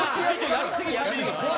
やりすぎ。